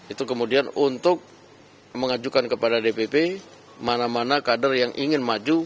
itu kemudian untuk mengajukan kepada dpp mana mana kader yang ingin maju